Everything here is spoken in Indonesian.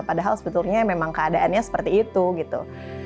padahal sebetulnya memang keadaannya seperti itu gitu